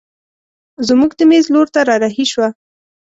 زموږ د مېز لور ته رارهي شوه.